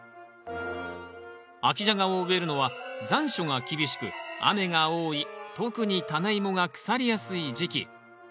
秋ジャガを植えるのは残暑が厳しく雨が多い特にタネイモが腐りやすい時期。